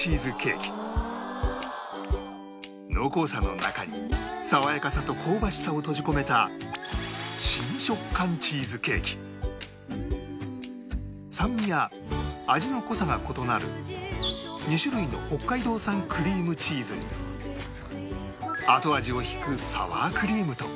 濃厚さの中に爽やかさと香ばしさを閉じ込めた酸味や味の濃さが異なる２種類の北海道産クリームチーズに後味を引くサワークリームと